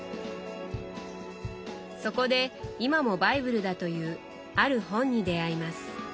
そこで今もバイブルだというある本に出会います。